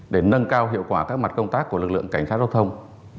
để nâng cao hiệu quả các mặt công tác của lực lượng cảnh sát giao thông